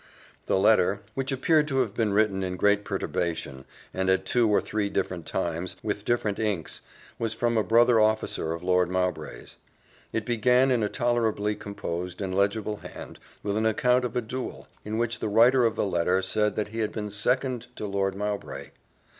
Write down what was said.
The letter, which appeared to have been written in great perturbation, and at two or three different times, with different inks, was from a brother officer of Lord Mowbray's. It began in a tolerably composed and legible hand, with an account of a duel, in which the writer of the letter said that he had been second to Lord Mowbray.